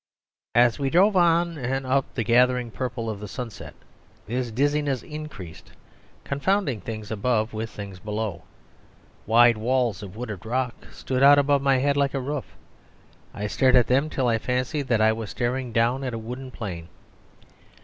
As we drove on and up into the gathering purple of the sunset this dizziness increased, confounding things above with things below. Wide walls of wooded rock stood out above my head like a roof. I stared at them until I fancied that I was staring down at a wooded plain.